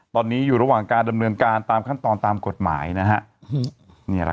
ตอนนี้อยู่ระหว่างการดำเนินการตามขั้นตอนตามกฎหมายนะฮะ